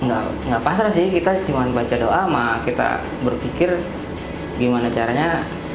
enggak enggak pasrah sih kita cuman baca doa ma kita berpikir gimana caranya